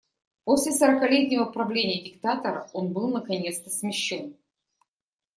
После сорокалетнего правления диктатора он был наконец-то смещён.